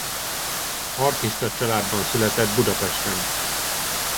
Artista családban született Budapesten.